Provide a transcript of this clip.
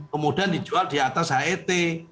kemudian dijual di atas het